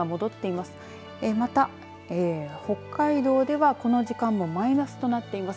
また、北海道ではこの時間もマイナスとなっています。